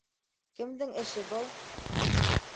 Кемдең эше был?!